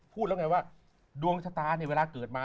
พูดได้ยังไงว่าดวงชะตาเดียวเวลาเกิดมา